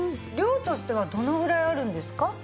量としてはどのぐらいあるんですか？